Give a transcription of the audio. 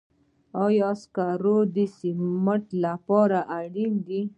آیا سکاره د سمنټو لپاره اړین دي؟